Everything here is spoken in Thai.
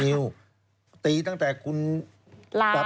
สวัสดีครับ